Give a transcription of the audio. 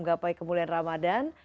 gapai kemuliaan ramadhan